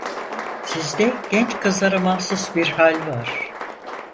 Sizde genç kızlara mahsus bir hal var…